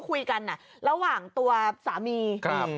การนอนไม่จำเป็นต้องมีอะไรกัน